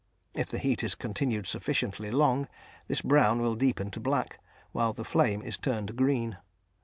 If the heat is continued sufficiently long, this brown will deepen to black, while the flame is turned green.